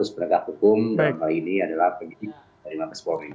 seratus penegak hukum dan kali ini adalah penyelidikan dari mabes polri